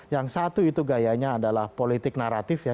yang satu itu gayanya adalah politik naratif ya